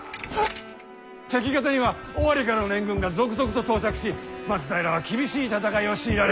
敵方には尾張からの援軍が続々と到着し松平は厳しい戦いを強いられ。